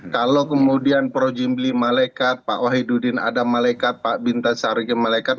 kalau kemudian prof jimli malekat pak wahidudin adam malekat pak bintan sargi malekat